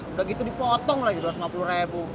udah gitu dipotong lagi dua ratus lima puluh ribu